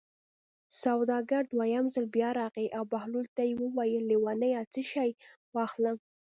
سوداګر دویم ځل بیا راغی او بهلول ته یې وویل: لېونیه څه شی واخلم.